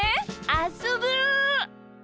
あっそぶ！